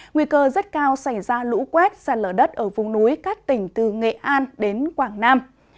nguy cơ rất cao xảy ra lũ quét xa lở đất ở vùng núi các tỉnh từ nghệ an đến quảng nam